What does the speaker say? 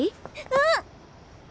うん！